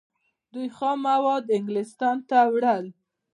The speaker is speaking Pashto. دوی خام مواد انګلستان ته وړل.